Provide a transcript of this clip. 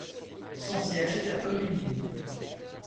Son siège est à Bobigny.